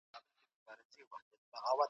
يو پوه مشر بايد د خلګو لارښوونه وکړي.